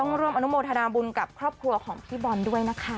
ร่วมอนุโมทนาบุญกับครอบครัวของพี่บอลด้วยนะคะ